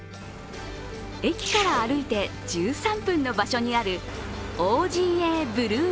駅から歩いて１３分の場所にあるＯＧＡＢＲＥＷＩＮＧ。